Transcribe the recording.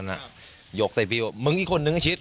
หยกใส่พี่ว่ามึงอีกคนนึงชิด